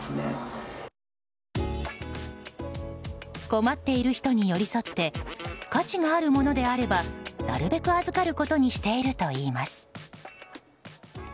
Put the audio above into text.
困っている人に寄り添って価値があるものであればなるべく預かることにしているといいます。